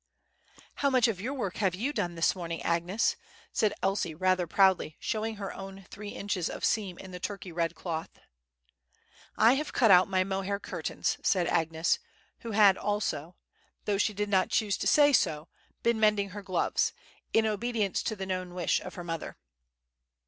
"How much of your work have you done this morning, Agnes?" asked Elsie, rather proudly, showing her own three inches of seam in the Turkey red cloth. "I have cut out my mohair curtains," said Agnes, who had also, though she did not choose to say so, been mending her gloves, in obedience to the known wish of her mother.